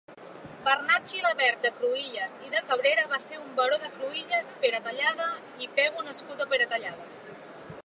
Bernat Gilabert de Cruïlles i de Cabrera va ser un baró de Cruïlles, Peratallada i Pego nascut a Peratallada.